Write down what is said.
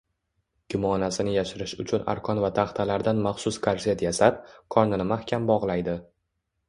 Gumonasini yashirish uchun arqon va taxtalardan maxsus korset yasab, qornini mahkam bog`laydi